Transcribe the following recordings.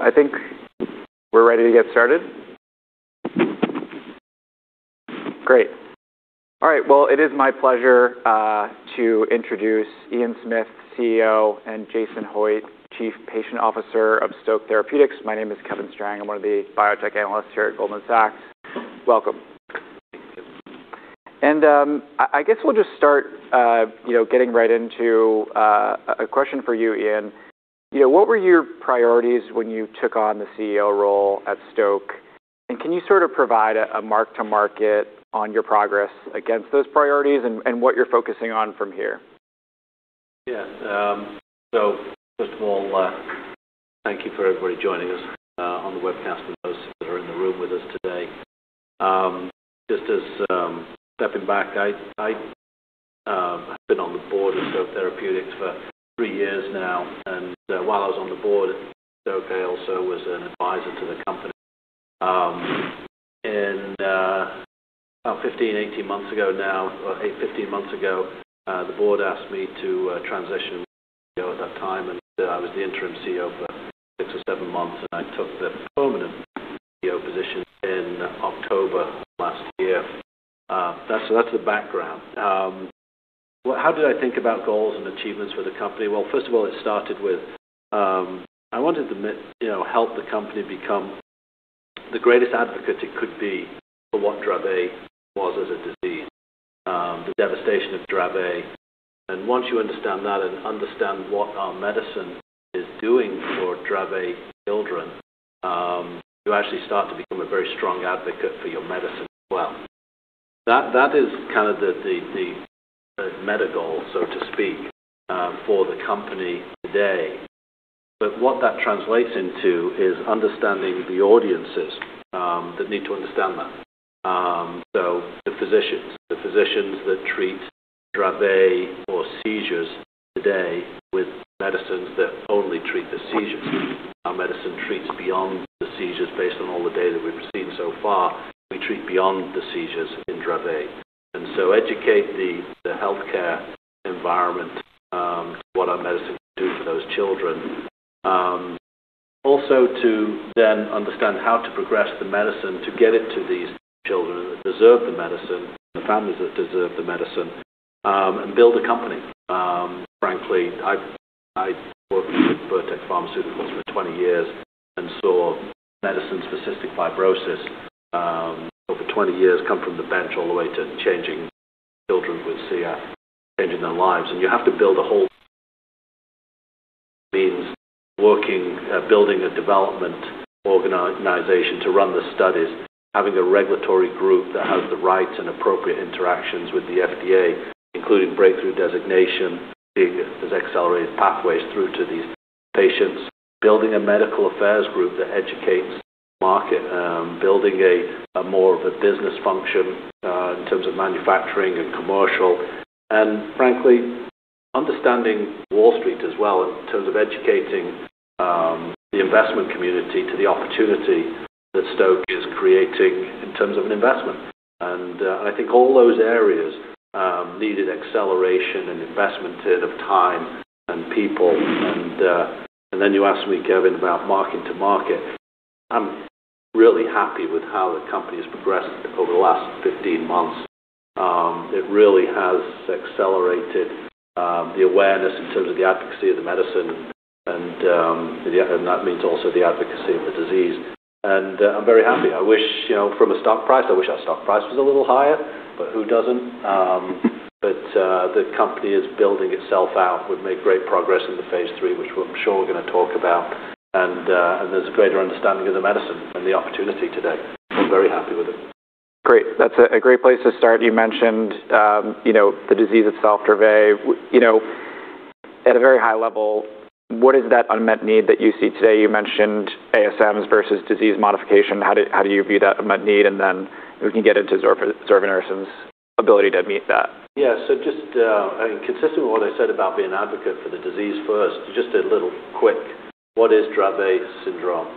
I think we're ready to get started. Great. All right. Well, it is my pleasure to introduce Ian Smith, CEO, and Jason Hoitt, Chief Patient Officer of Stoke Therapeutics. My name is Kevin Strang. I'm one of the biotech analysts here at Goldman Sachs. Welcome. Thank you. I guess we'll just start getting right into a question for you, Ian. What were your priorities when you took on the CEO role at Stoke? Can you sort of provide a mark-to-market on your progress against those priorities and what you're focusing on from here? Yes. First of all, thank you for everybody joining us on the webcast and those that are in the room with us today. Just as stepping back, I have been on the board of Stoke Therapeutics for three years now. While I was on the board at Stoke, I also was an advisor to the company. About 15, 18 months ago now, or 15 months ago, the board asked me to transition at that time, and I was the interim CEO for six or seven months, and I took the permanent CEO position in October last year. That's the background. How did I think about goals and achievements for the company? Well, first of all, it started with, I wanted to help the company become the greatest advocate it could be for what Dravet was as a disease, the devastation of Dravet. Once you understand that and understand what our medicine is doing for Dravet children, you actually start to become a very strong advocate for your medicine as well. That is kind of the meta-goal, so to speak, for the company today. What that translates into is understanding the audiences that need to understand that. So the physicians. The physicians that treat Dravet or seizures today with medicines that only treat the seizures. Our medicine treats beyond the seizures based on all the data that we've seen so far. We treat beyond the seizures in Dravet. Educate the healthcare environment to what our medicine can do for those children. Also to then understand how to progress the medicine to get it to these children that deserve the medicine, and the families that deserve the medicine, and build a company. Frankly, I worked with Vertex Pharmaceuticals for 20 years and saw medicines for cystic fibrosis over 20 years come from the bench all the way to changing children with CF, changing their lives. You have to build a whole means working, building a development organization to run the studies, having a regulatory group that has the right and appropriate interactions with the FDA, including breakthrough designation, being those accelerated pathways through to these patients, building a medical affairs group that educates market, building more of a business function in terms of manufacturing and commercial, and frankly, understanding Wall Street as well in terms of educating the investment community to the opportunity that Stoke is creating in terms of an investment. I think all those areas needed acceleration and investment of time and people. Then you asked me, Kevin, about mark-to-market. I'm really happy with how the company has progressed over the last 15 months. It really has accelerated the awareness in terms of the advocacy of the medicine, and that means also the advocacy of the disease. I'm very happy. From a stock price, I wish our stock price was a little higher, but who doesn't? The company is building itself out. We've made great progress in the phase III, which I'm sure we're going to talk about, and there's a greater understanding of the medicine and the opportunity today. I'm very happy with it. Great. That's a great place to start. You mentioned the disease itself, Dravet. At a very high level, what is that unmet need that you see today? You mentioned ASMs versus disease modification. How do you view that unmet need? Then we can get into zorevunersen's ability to meet that. Yeah. Just consistent with what I said about being an advocate for the disease first, just a little quick, what is Dravet syndrome?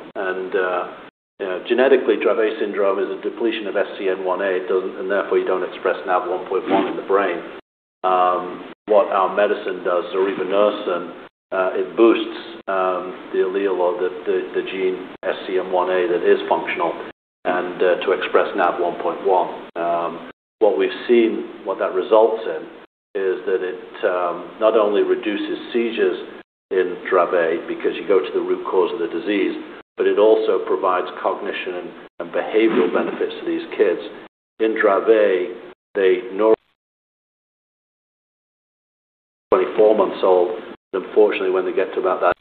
Genetically, Dravet syndrome is a depletion of SCN1A, and therefore you don't express NaV1.1 in the brain. What our medicine does, zorevunersen, it boosts the allele or the gene SCN1A that is functional and to express NaV1.1. What we've seen, what that results in is that it not only reduces seizures in Dravet because you go to the root cause of the disease, but it also provides cognition and behavioral benefits to these kids. In Dravet, they normally 24 months old. Unfortunately, when they get to about that,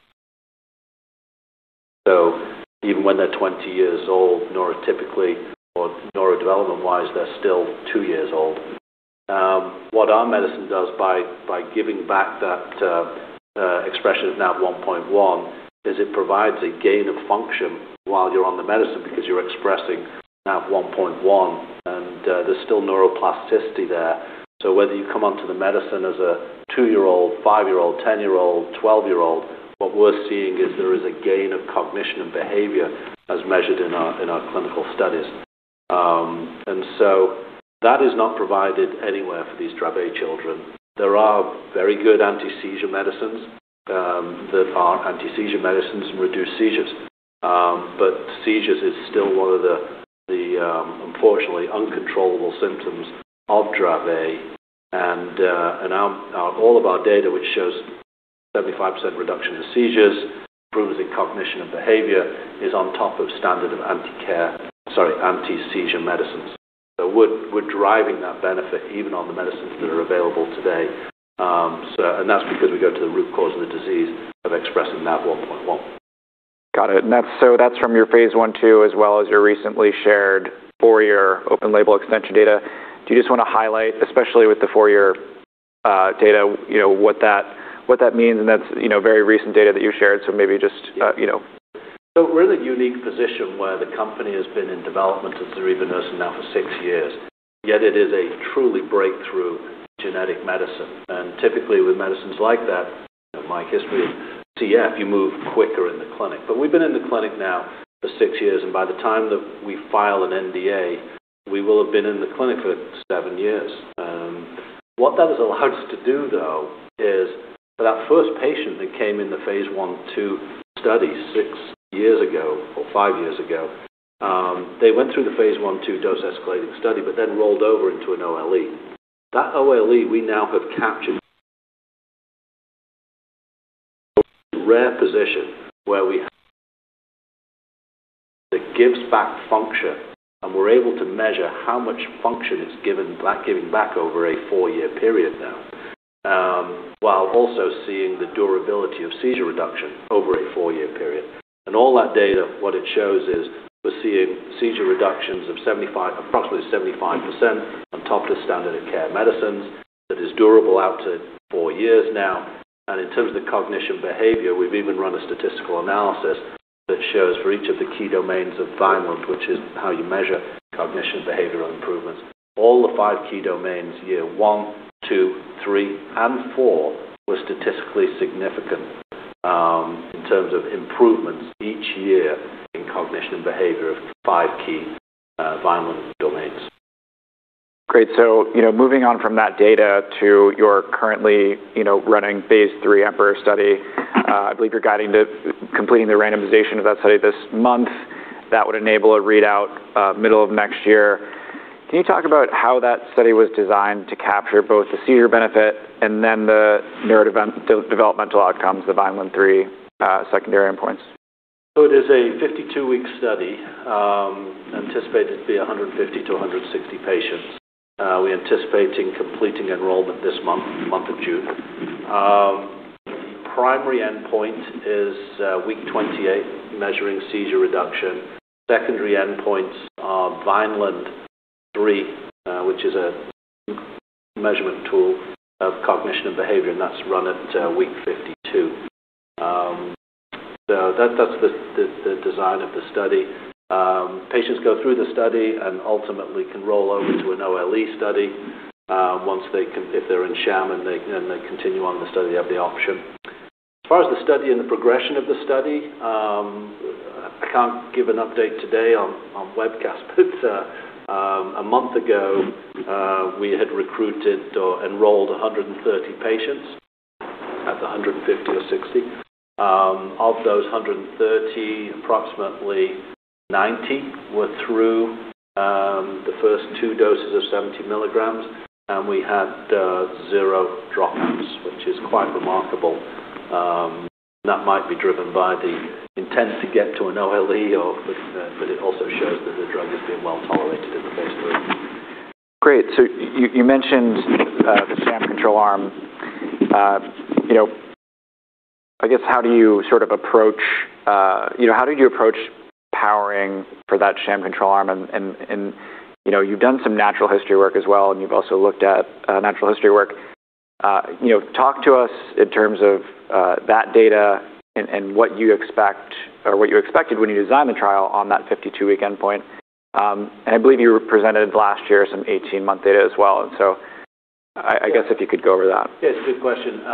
even when they're 20 years old, neurotypically or neurodevelopment-wise, they're still two years old. What our medicine does by giving back that expression of NaV1.1 is it provides a gain of function while you're on the medicine because you're expressing NaV1.1, and there's still neuroplasticity there. Whether you come onto the medicine as a two-year-old, five-year-old, 10-year-old, 12-year-old, what we're seeing is there is a gain of cognition and behavior as measured in our clinical studies. That is not provided anywhere for these Dravet children. There are very good anti-seizure medicines that are anti-seizure medicines and reduce seizures. Seizures is still one of the unfortunately uncontrollable symptoms of Dravet. All of our data, which shows 75% reduction in seizures, improves in cognition and behavior, is on top of standard of anti-seizure medicines. We're driving that benefit even on the medicines that are available today. That's because we go to the root cause of the disease of expressing NaV1.1. Got it. That's from your phase I/II as well as your recently shared four-year open label extension data. Do you just want to highlight, especially with the four-year data, what that means? That's very recent data that you shared. We're in the unique position where the company has been in development of zorevunersen now for six years, yet it is a truly breakthrough genetic medicine. Typically with medicines like that, my history, you move quicker in the clinic. We've been in the clinic now for six years, and by the time that we file an NDA, we will have been in the clinic for seven years. What that has allowed us to do, though, is for that first patient that came in the phase I/II study six years ago or five years ago, they went through the phase I/II dose escalating study, but then rolled over into an OLE. That OLE we now have captured. A rare position where we have that gives back function, we're able to measure how much function it's giving back over a four-year period now, while also seeing the durability of seizure reduction over a four-year period. All that data, what it shows is we're seeing seizure reductions of approximately 75% on top of standard of care medicines that is durable out to four years now. In terms of cognition behavior, we've even run a statistical analysis that shows for each of the key domains of Vineland, which is how you measure cognition behavioral improvements. All the five key domains, year one, two, three, and four were statistically significant in terms of improvements each year in cognition and behavior of five key Vineland domains. Great. Moving on from that data to your currently running phase III EMPEROR study. I believe you're guiding to completing the randomization of that study this month. That would enable a readout middle of next year. Can you talk about how that study was designed to capture both the seizure benefit and the neurodevelopmental outcomes, the Vineland-3 secondary endpoints? It is a 52-week study, anticipated to be 150-160 patients. We're anticipating completing enrollment this month, the month of June. The primary endpoint is week 28, measuring seizure reduction. Secondary endpoints are Vineland-3, which is a measurement tool of cognition and behavior, that's run at week 52. That's the design of the study. Patients go through the study ultimately can roll over to an OLE study if they're in sham they continue on the study, they have the option. As far as the study and the progression of the study, I can't give an update today on webcast, a month ago, we had recruited or enrolled 130 patients at 150 or 60. Of those 130, approximately 90 were through the first two doses of 70 mg, we had 0 dropouts, which is quite remarkable. That might be driven by the intent to get to an OLE, it also shows that the drug is being well-tolerated in the phase III. Great. You mentioned the sham control arm. I guess, how did you approach powering for that sham control arm? You've done some natural history work as well, and you've also looked at natural history work. Talk to us in terms of that data and what you expect or what you expected when you designed the trial on that 52-week endpoint. I believe you presented last year some 18-month data as well. I guess if you could go over that. Yeah, it's a good question.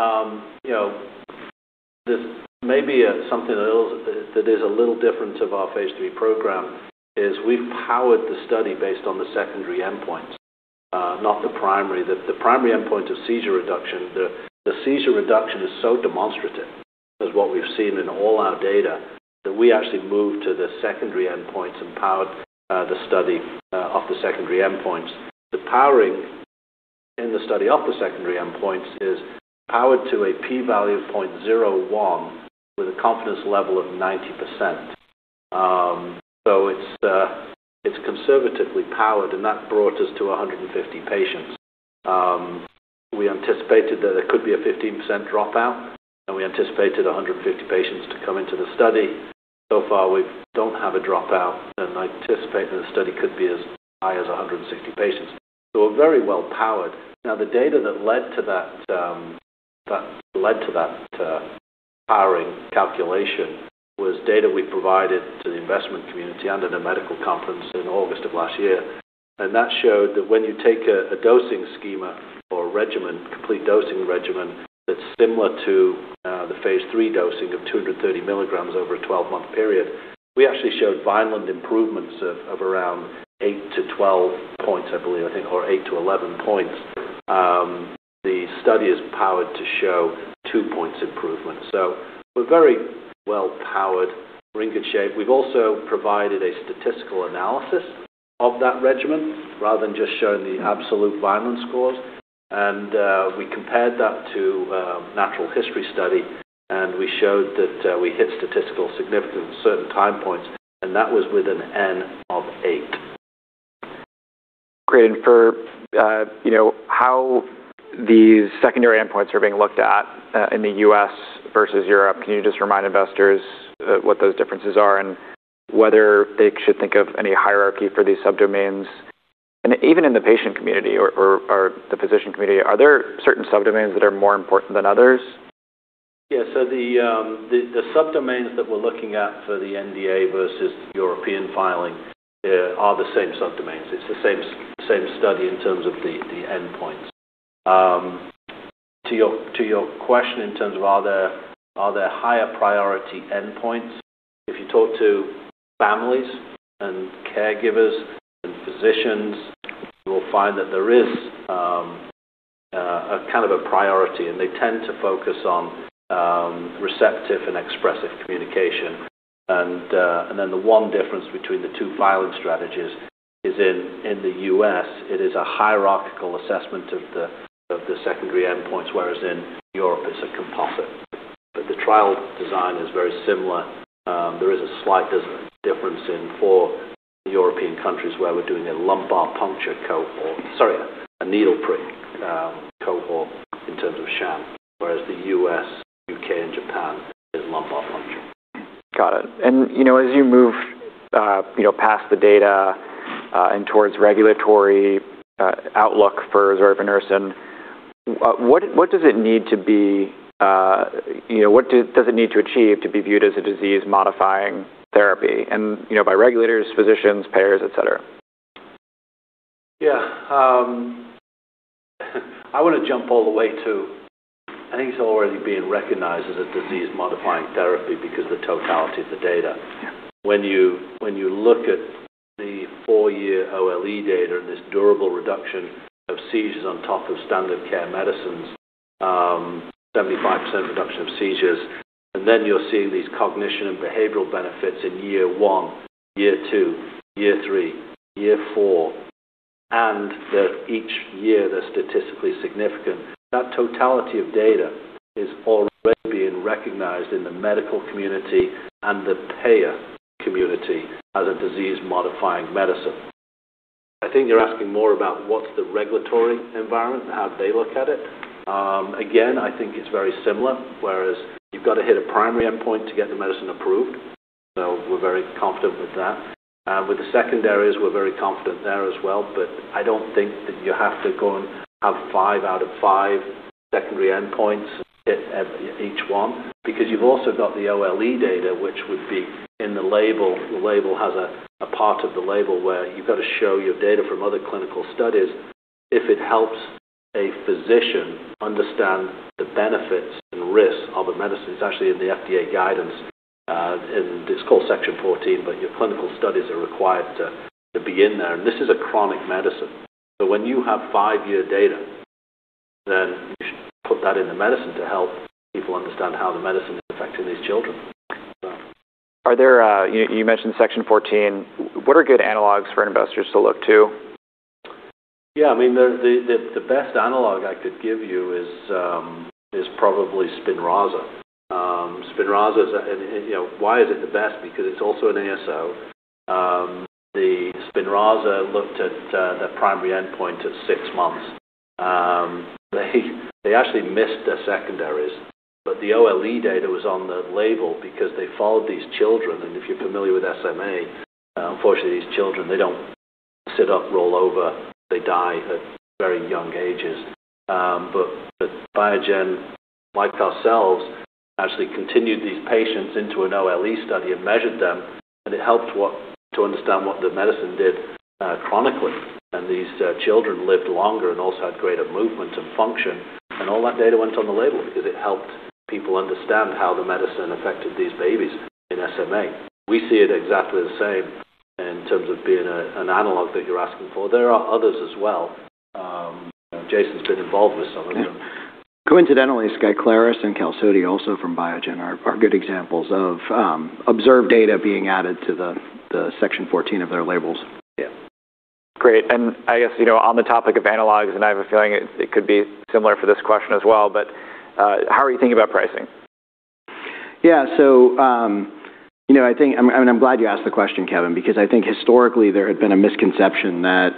This may be something that is a little different of our phase III program is we've powered the study based on the secondary endpoints, not the primary. The primary endpoint of seizure reduction, the seizure reduction is so demonstrative as what we've seen in all our data, that we actually moved to the secondary endpoints and powered the study off the secondary endpoints. The powering in the study of the secondary endpoints is powered to a P value of 0.01 with a confidence level of 90%. It's conservatively powered, and that brought us to 150 patients. We anticipated that there could be a 15% dropout, and we anticipated 150 patients to come into the study. So far, we don't have a dropout, and I anticipate that the study could be as high as 160 patients. We're very well powered. Now, the data that led to that powering calculation was data we provided to the investment community and at a medical conference in August of last year. That showed that when you take a dosing schema or regimen, complete dosing regimen, that's similar to the phase III dosing of 230 mg over a 12-month period, we actually showed Vineland improvements of around 8 to 12 points, I believe. I think or 8 to 11 points. The study is powered to show two points improvement. We're very well powered. We're in good shape. We've also provided a statistical analysis of that regimen rather than just showing the absolute Vineland scores. We compared that to natural history study, and we showed that we hit statistical significance at certain time points, and that was with an N of 8. Great. For how these secondary endpoints are being looked at in the U.S. versus Europe, can you just remind investors what those differences are and whether they should think of any hierarchy for these sub-domains? Even in the patient community or the physician community, are there certain sub-domains that are more important than others? The sub-domains that we're looking at for the NDA versus the European filing are the same sub-domains. It's the same study in terms of the endpoints. To your question in terms of are there higher priority endpoints, if you talk to families and caregivers and physicians, you will find that there is a kind of a priority, and they tend to focus on receptive and expressive communication. The one difference between the two filing strategies is in the U.S., it is a hierarchical assessment of the secondary endpoints, whereas in Europe it's a composite. The trial design is very similar. There is a slight difference in four European countries where we're doing a lumbar puncture cohort. Sorry, a needle prick cohort in terms of sham, whereas the U.S., U.K., and Japan is lumbar puncture. Got it. As you move past the data and towards regulatory outlook for zorevunersen, what does it need to achieve to be viewed as a disease-modifying therapy and by regulators, physicians, payers, et cetera? I want to jump all the way to, I think it's already being recognized as a disease-modifying therapy because of the totality of the data. Yeah. When you look at the four-year OLE data and this durable reduction of seizures on top of standard care medicines, 75% reduction of seizures, you're seeing these cognition and behavioral benefits in year one, year two, year three, year four, that each year they're statistically significant. That totality of data is already being recognized in the medical community and the payer community as a disease-modifying medicine. I think you're asking more about what's the regulatory environment and how they look at it. Again, I think it's very similar, whereas you've got to hit a primary endpoint to get the medicine approved. We're very confident with that. With the secondaries, we're very confident there as well, I don't think that you have to go and have five out of five secondary endpoints hit at each one. You've also got the OLE data, which would be in the label. The label has a part of the label where you've got to show your data from other clinical studies if it helps a physician understand the benefits and risks of a medicine. It's actually in the FDA guidance, and it's called Section 14. Your clinical studies are required to be in there. This is a chronic medicine. When you have five-year data, you should put that in the medicine to help people understand how the medicine is affecting these children. You mentioned Section 14. What are good analogs for investors to look to? Yeah. The best analog I could give you is probably SPINRAZA. Why is it the best? It's also an ASO. The SPINRAZA looked at their primary endpoint at six months. They actually missed their secondaries, but the OLE data was on the label because they followed these children. If you're familiar with SMA, unfortunately these children, they don't sit up, roll over. They die at very young ages. Biogen, like ourselves, actually continued these patients into an OLE study and measured them, and it helped to understand what the medicine did chronically. These children lived longer and also had greater movement and function. All that data went on the label because it helped people understand how the medicine affected these babies in SMA. We see it exactly the same in terms of being an analog that you're asking for. There are others as well. Jason's been involved with some of them. Coincidentally, SKYCLARYS and QALSODY, also from Biogen, are good examples of observed data being added to the Section 14 of their labels. Yeah. Great. I guess, on the topic of analogs, and I have a feeling it could be similar for this question as well, but how are you thinking about pricing? Yeah. I'm glad you asked the question, Kevin, because I think historically there had been a misconception that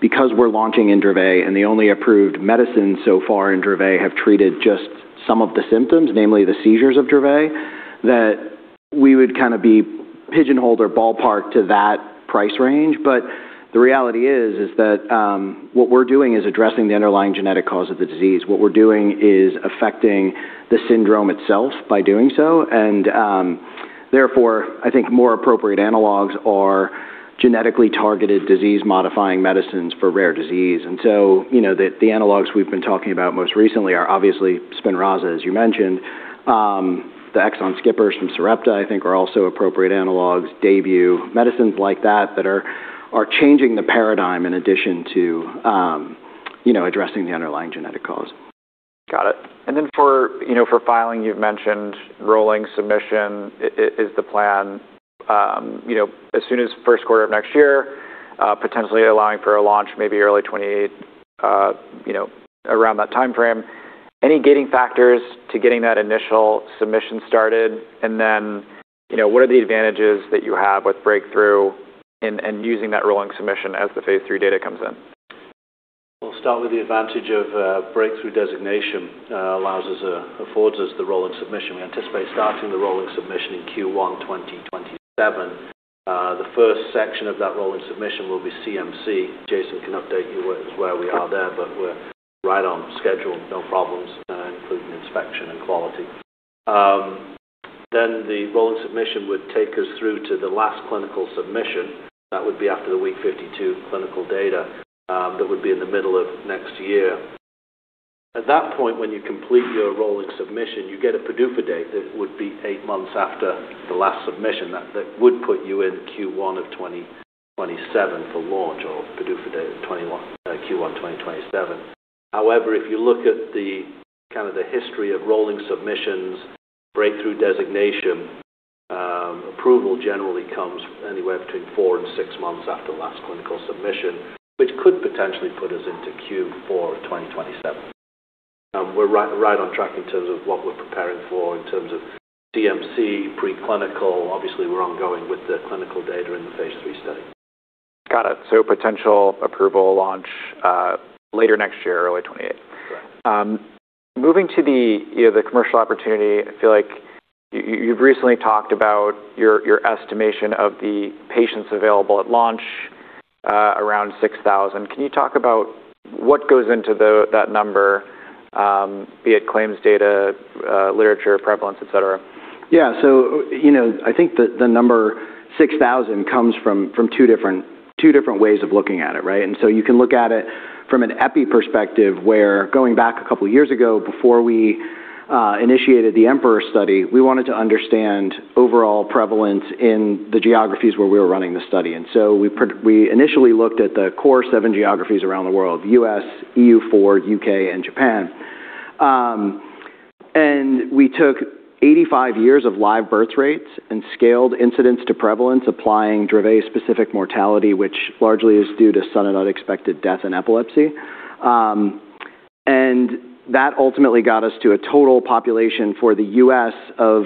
because we're launching in Dravet and the only approved medicine so far in Dravet have treated just some of the symptoms, namely the seizures of Dravet, that we would kind of be pigeonholed or ballparked to that price range. The reality is that what we're doing is addressing the underlying genetic cause of the disease. What we're doing is affecting the syndrome itself by doing so. Therefore, I think more appropriate analogs are genetically targeted disease-modifying medicines for rare disease. The analogs we've been talking about most recently are obviously SPINRAZA, as you mentioned. The exon skippers from Sarepta, I think, are also appropriate analogs, debut medicines like that are changing the paradigm in addition to addressing the underlying genetic cause. Got it. For filing, you've mentioned rolling submission is the plan as soon as first quarter of next year, potentially allowing for a launch maybe early 2028, around that timeframe. Any gating factors to getting that initial submission started? What are the advantages that you have with breakthrough and using that rolling submission as the phase III data comes in? We'll start with the advantage of breakthrough designation affords us the rolling submission. We anticipate starting the rolling submission in Q1 2027. The first section of that rolling submission will be CMC. Jason can update you as where we are there, but we're right on schedule, no problems, including inspection and quality. The rolling submission would take us through to the last clinical submission. That would be after the week 52 clinical data. That would be in the middle of next year. At that point, when you complete your rolling submission, you get a PDUFA date that would be eight months after the last submission. That would put you in Q1 2027 for launch, or PDUFA date Q1 2027. If you look at the history of rolling submissions, breakthrough designation, approval generally comes anywhere between four and six months after last clinical submission, which could potentially put us into Q4 2027. We're right on track in terms of what we're preparing for in terms of CMC, preclinical. Obviously, we're ongoing with the clinical data in the phase III study. Got it. Potential approval launch later next year, early 2028. Correct. Moving to the commercial opportunity, I feel like you've recently talked about your estimation of the patients available at launch, around 6,000. Can you talk about what goes into that number, be it claims data, literature prevalence, et cetera? Yeah. I think that the number 6,000 comes from two different ways of looking at it, right? You can look at it from an epi perspective, where going back a couple of years ago, before we initiated the EMPEROR study, we wanted to understand overall prevalence in the geographies where we were running the study. We initially looked at the core seven geographies around the world, U.S., EU4, U.K., and Japan. We took 85 years of live birth rates and scaled incidence to prevalence, applying Dravet specific mortality, which largely is due to sudden unexpected death in epilepsy. That ultimately got us to a total population for the U.S. of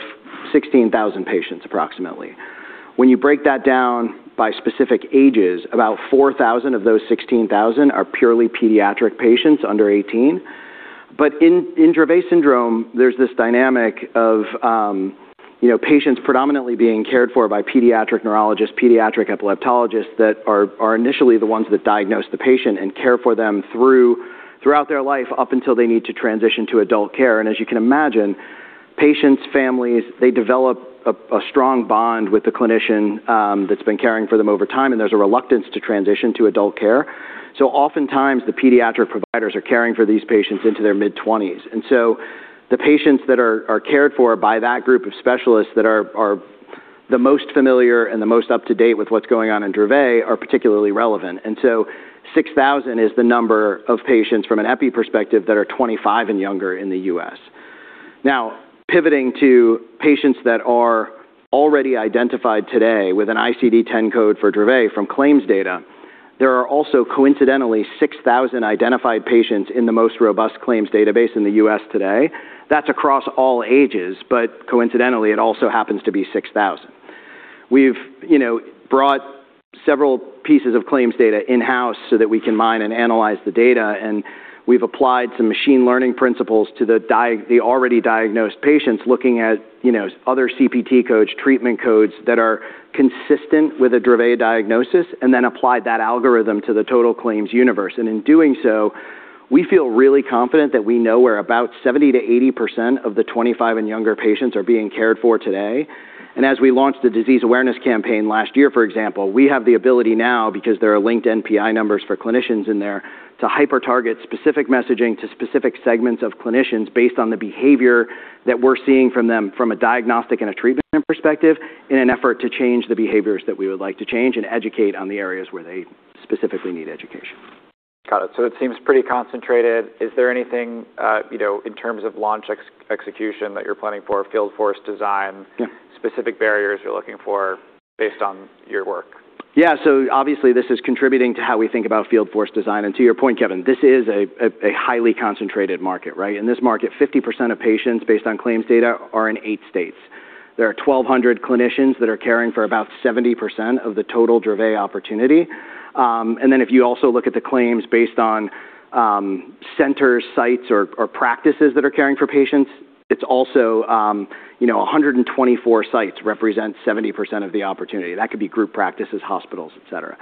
16,000 patients approximately. When you break that down by specific ages, about 4,000 of those 16,000 are purely pediatric patients under 18. In Dravet syndrome, there's this dynamic of patients predominantly being cared for by pediatric neurologists, pediatric epileptologists, that are initially the ones that diagnose the patient and care for them throughout their life, up until they need to transition to adult care. As you can imagine, patients, families, they develop a strong bond with the clinician that's been caring for them over time, and there's a reluctance to transition to adult care. Oftentimes, the pediatric providers are caring for these patients into their mid-20s. The patients that are cared for by that group of specialists that are the most familiar and the most up to date with what's going on in Dravet are particularly relevant. 6,000 is the number of patients from an epi perspective that are 25 and younger in the U.S. Now pivoting to patients that are already identified today with an ICD-10 code for Dravet from claims data, there are also coincidentally 6,000 identified patients in the most robust claims database in the U.S. today. That's across all ages, but coincidentally, it also happens to be 6,000. We've brought several pieces of claims data in-house so that we can mine and analyze the data, and we've applied some machine learning principles to the already diagnosed patients, looking at other CPT codes, treatment codes that are consistent with a Dravet diagnosis and then applied that algorithm to the total claims universe. In doing so, we feel really confident that we know where about 70%-80% of the 25 and younger patients are being cared for today. As we launched the disease awareness campaign last year, for example, we have the ability now, because there are linked NPI numbers for clinicians in there, to hyper target specific messaging to specific segments of clinicians based on the behavior that we are seeing from them from a diagnostic and a treatment perspective in an effort to change the behaviors that we would like to change and educate on the areas where they specifically need education. Got it. It seems pretty concentrated. Is there anything in terms of launch execution that you are planning for field force design- Yeah specific barriers you are looking for based on your work? Yeah. Obviously this is contributing to how we think about field force design. To your point, Kevin, this is a highly concentrated market, right? In this market, 50% of patients, based on claims data, are in eight states. There are 1,200 clinicians that are caring for about 70% of the total Dravet opportunity. Then if you also look at the claims based on centers, sites, or practices that are caring for patients, it is also 124 sites represent 70% of the opportunity. That could be group practices, hospitals, et cetera.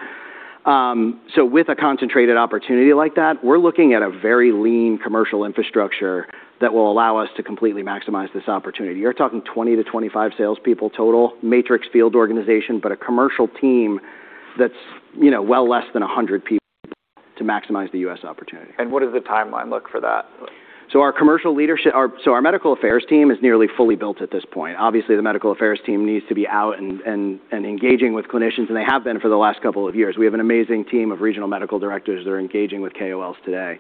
With a concentrated opportunity like that, we are looking at a very lean commercial infrastructure that will allow us to completely maximize this opportunity. You are talking 20 to 25 salespeople total, matrix field organization, but a commercial team that is well less than 100 people to maximize the U.S. opportunity. What does the timeline look like for that? Our medical affairs team is nearly fully built at this point. Obviously, the medical affairs team needs to be out and engaging with clinicians, and they have been for the last couple of years. We have an amazing team of regional medical directors that are engaging with KOLs today.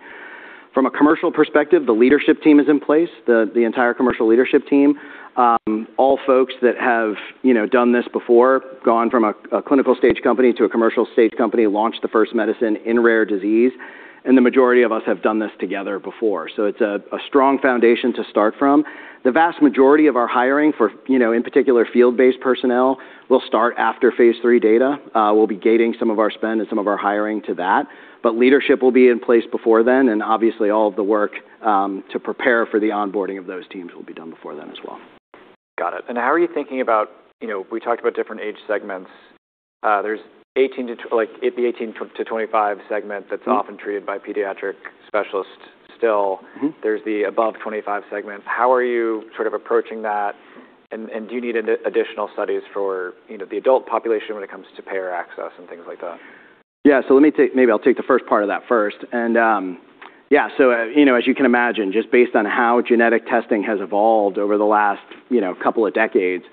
From a commercial perspective, the leadership team is in place, the entire commercial leadership team. All folks that have done this before, gone from a clinical stage company to a commercial stage company, launched the first medicine in rare disease, and the majority of us have done this together before. It's a strong foundation to start from. The vast majority of our hiring for, in particular, field-based personnel, will start after phase III data. We'll be gating some of our spend and some of our hiring to that. Leadership will be in place before then, and obviously all of the work to prepare for the onboarding of those teams will be done before then as well. Got it. How are you thinking about, we talked about different age segments. There's the 18 to 25 segment that's often treated by pediatric specialists still. There's the above 25 segment. How are you sort of approaching that, and do you need additional studies for the adult population when it comes to payer access and things like that? Yeah. Maybe I'll take the first part of that first. Yeah, as you can imagine, just based on how genetic testing has evolved over the last couple of decades,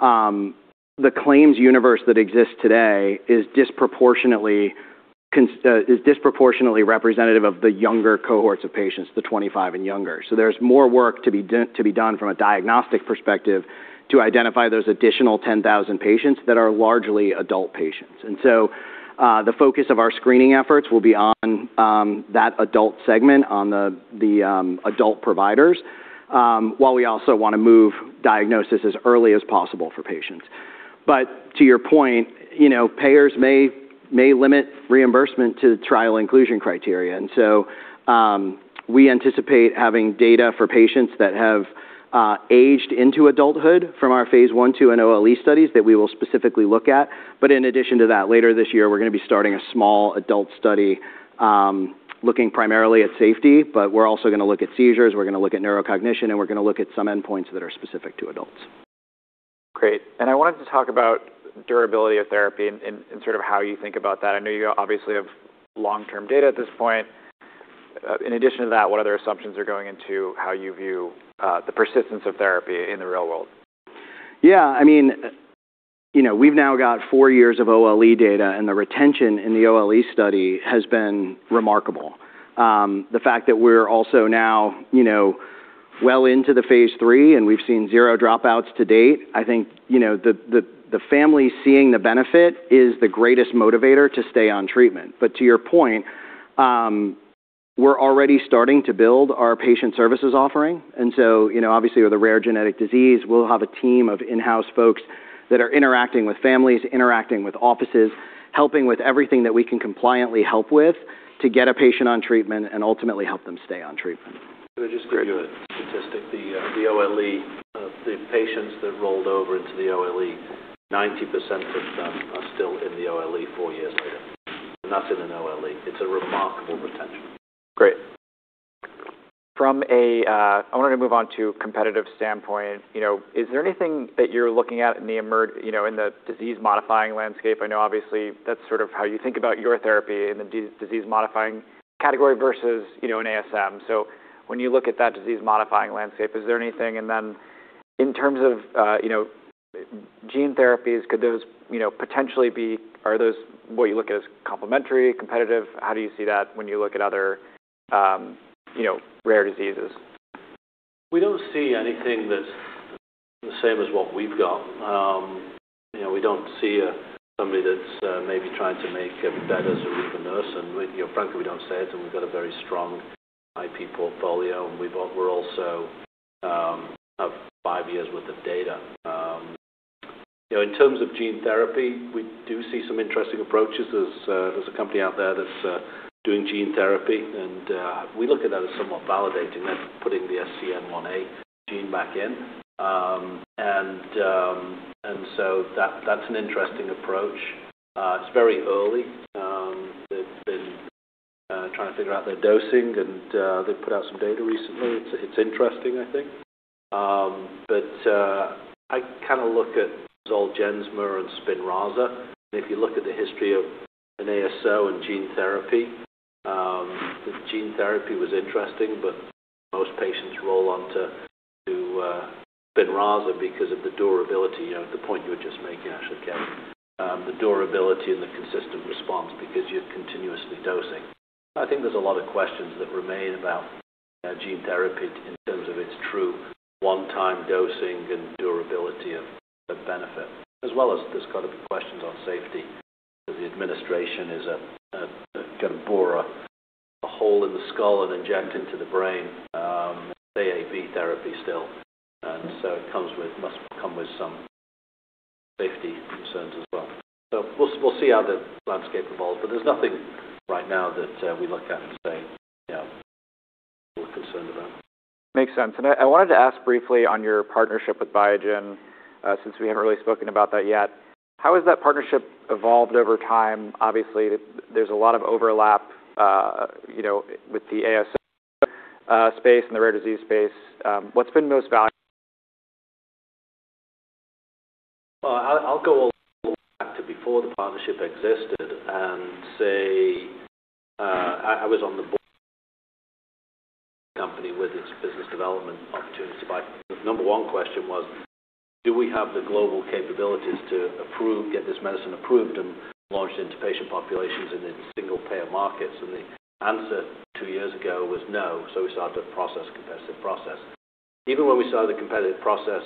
the claims universe that exists today is disproportionately representative of the younger cohorts of patients, the 25 and younger. There's more work to be done from a diagnostic perspective to identify those additional 10,000 patients that are largely adult patients. The focus of our screening efforts will be on that adult segment, on the adult providers, while we also want to move diagnosis as early as possible for patients. To your point, payers may limit reimbursement to trial inclusion criteria. We anticipate having data for patients that have aged into adulthood from our phase I, II, and OLE studies that we will specifically look at. In addition to that, later this year, we're going to be starting a small adult study, looking primarily at safety, we're also going to look at seizures, we're going to look at neurocognition, and we're going to look at some endpoints that are specific to adults. Great. I wanted to talk about durability of therapy and sort of how you think about that. I know you obviously have long-term data at this point. In addition to that, what other assumptions are going into how you view the persistence of therapy in the real world? Yeah. We've now got four years of OLE data, and the retention in the OLE study has been remarkable. The fact that we're also now well into the phase III, we've seen zero dropouts to date, I think the family seeing the benefit is the greatest motivator to stay on treatment. To your point, we're already starting to build our patient services offering. Obviously, with a rare genetic disease, we'll have a team of in-house folks that are interacting with families, interacting with offices, helping with everything that we can compliantly help with to get a patient on treatment and ultimately help them stay on treatment. Great. Can I just give you a statistic? The OLE, the patients that rolled over into the OLE, 90% of them are still in the OLE four years later. That's in an OLE. It's a remarkable retention. Great. I wanted to move on to a competitive standpoint. Is there anything that you're looking at in the disease-modifying landscape? I know obviously that's sort of how you think about your therapy in the disease-modifying category versus an ASM. When you look at that disease-modifying landscape, is there anything? In terms of gene therapies, could those potentially be? Are those what you look at as complementary, competitive? How do you see that when you look at other rare diseases? We don't see anything that's the same as what we've got. We don't see somebody that's maybe trying to make a beta-sarcoglycan. Frankly, we don't see it, we've got a very strong IP portfolio, we also have five years worth of data. In terms of gene therapy, we do see some interesting approaches. There's a company out there that's doing gene therapy, we look at that as somewhat validating. That's putting the SCN1A gene back in. That's an interesting approach. It's very early. They've been trying to figure out their dosing, they put out some data recently. It's interesting, I think. I kind of look at Zolgensma and SPINRAZA, and if you look at the history of an ASO and gene therapy, the gene therapy was interesting, but most patients roll on to SPINRAZA because of the durability, the point you were just making, actually, Kevin. The durability and the consistent response because you're continuously dosing. I think there's a lot of questions that remain about gene therapy in terms of its true one-time dosing and durability of benefit, as well as there's got to be questions on safety, because the administration has got to bore a hole in the skull and inject into the brain. It's AAV therapy still, and so it must come with some safety concerns as well. We'll see how the landscape evolves, but there's nothing right now that we look at and say, "Yeah Makes sense. I wanted to ask briefly on your partnership with Biogen, since we haven't really spoken about that yet. How has that partnership evolved over time? Obviously, there's a lot of overlap with the ASO space and the rare disease space. What's been most valuable? I'll go all the way back to before the partnership existed and say I was on the board company with its business development opportunity. The number one question was: do we have the global capabilities to get this medicine approved and launched into patient populations and into single-payer markets? The answer two years ago was no, so we started the competitive process. Even when we started the competitive process,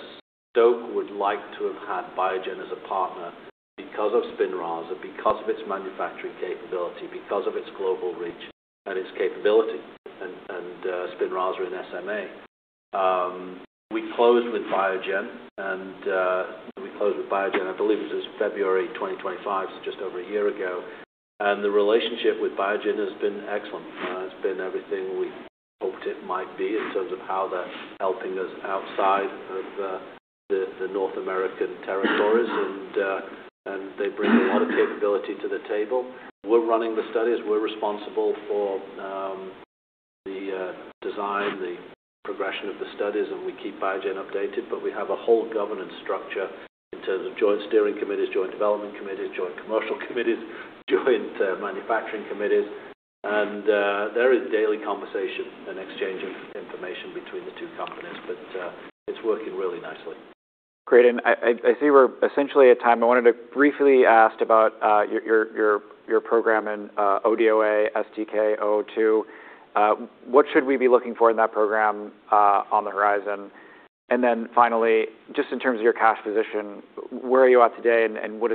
Stoke would like to have had Biogen as a partner because of SPINRAZA, because of its manufacturing capability, because of its global reach and its capability, and SPINRAZA in SMA. We closed with Biogen, I believe it was February 2025, so just over a year ago. The relationship with Biogen has been excellent. It's been everything we hoped it might be in terms of how they're helping us outside of the North American territories. They bring a lot of capability to the table. We're running the studies. We're responsible for the design, the progression of the studies, and we keep Biogen updated, but we have a whole governance structure in terms of joint steering committees, joint development committees, joint commercial committees, joint manufacturing committees. There is daily conversation and exchange of information between the two companies. It's working really nicely. I see we're essentially at time. I wanted to briefly ask about your program in ADOA, STK-002. What should we be looking for in that program on the horizon? Finally, just in terms of your cash position, where are you at today and what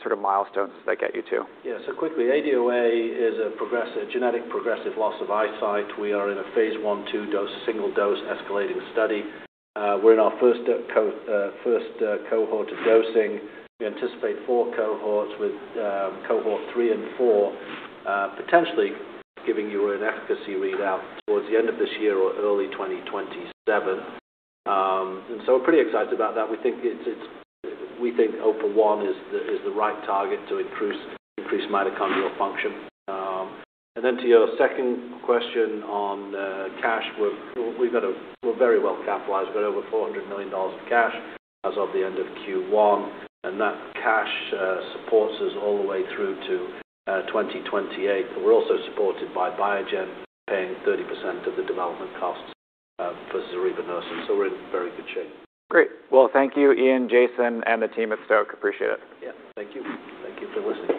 sort of milestones does that get you to? Yeah. Quickly, ADOA is a genetic progressive loss of eyesight. We are in a phase I/II single-dose escalating study. We're in our first cohort of dosing. We anticipate four cohorts, with Cohort 3 and 4 potentially giving you an efficacy readout towards the end of this year or early 2027. We're pretty excited about that. We think OPA-1 is the right target to increase mitochondrial function. To your second question on cash, we're very well capitalized. We've got over $400 million of cash as of the end of Q1, and that cash supports us all the way through to 2028. We're also supported by Biogen paying 30% of the development costs for zorevunersen, we're in very good shape. Great. Well, thank you, Ian, Jason, and the team at Stoke. Appreciate it. Yeah. Thank you. Thank you for listening.